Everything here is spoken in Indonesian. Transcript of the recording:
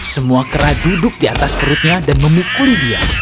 semua kera duduk di atas perutnya dan memukuli dia